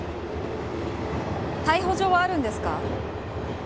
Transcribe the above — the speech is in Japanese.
逮捕状はあるんですか？